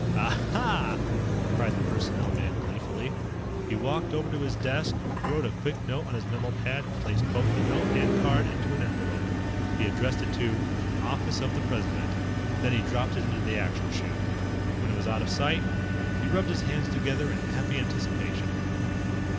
"Aha!" cried the personnel man gleefully. He walked over to his desk, wrote a quick note on his memo pad, and placed both note and card into an envelope. He addressed it to: OFFICE OF THE PRESIDENT. Then he dropped it into the Action Chute. When it was out of sight, he rubbed his hands together in happy anticipation.